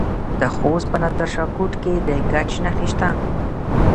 د خوست په نادر شاه کوټ کې د ګچ نښې شته.